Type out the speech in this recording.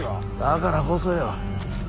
だからこそよ。